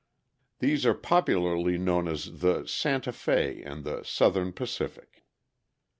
These are popularly known as the "Santa Fe" and the "Southern Pacific."